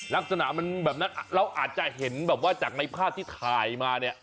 ลักษณะมันแบบนั้นเราอาจจะเห็นแบบว่าจากในภาพที่ถ่ายมาเนี่ย